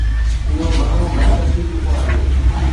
اهو گهڻو بهتر ٿي چڪو آهي.